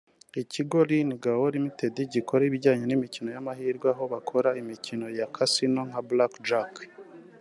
Ikigo Lin&Gao Ltd gikora ibijyanye n’imikino y’amahirwe aho bakora imikino ya Casino nka Black Jack